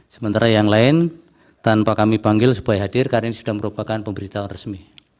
sementara yang lain tanpa kami panggil supaya hadir karena ini sudah merupakan pemberitahuan resmi